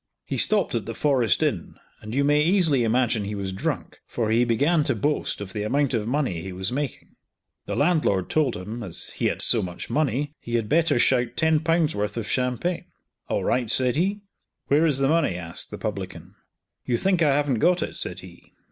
He stopped at the Forest Inn, and you may easily imagine he was drunk, for he began to boast of the amount of money he was making. The landlord told him, as he had so much money, he had better shout Ł10 worth of champagne. "All right," said he. "Where is the money?" asked the publican. "You think I haven't got it," said he.